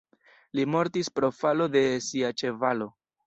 Li mortis pro falo de sia ĉevalo.